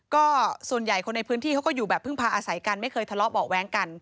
ก็ส่วนใหญ่คนในพื้นที่เขาก็อยู่แบบพึ่งพาอาศัยกันไม่เคยทะเลาะเบาะแว้งกัน